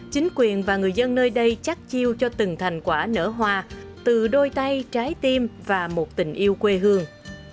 chính quyền và người dân nơi đây chắc chiêu cho từng thành quả nở hoa từ đôi tay trái tim và một tình yêu quê hương